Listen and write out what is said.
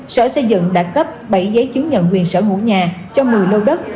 sở xây dựng đã cắp bảy giấy chứng nhận quyền sở ngũ nhà cho một mươi lô đất